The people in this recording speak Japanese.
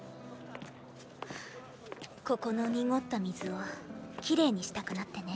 ここの濁った水をキレイにしたくなってね。